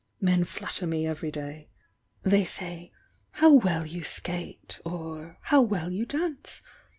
Men flatter me every day, — they say 'How well you skate!' or 'How well you dance!'